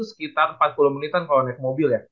sekitar empat puluh menitan kalau naik mobil ya